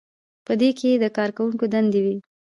په دې کې د کارکوونکي دندې وي.